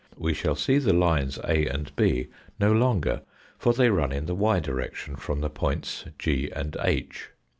We shall see the lines A and B no longer, for they run in the y direction from the points G and H.